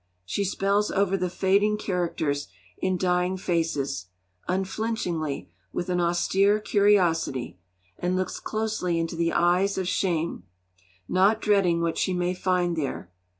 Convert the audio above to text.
She spells over the fading characters in dying faces, unflinchingly, with an austere curiosity; and looks closely into the eyes of shame, not dreading what she may find there.